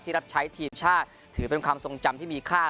รับใช้ทีมชาติถือเป็นความทรงจำที่มีค่า